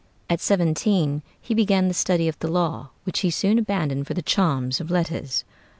At seventeen he began the study of the law, which he soon abandoned for the charms of letters.